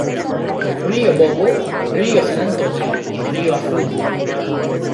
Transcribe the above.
Río Bobo, río San Antonio y río Azul.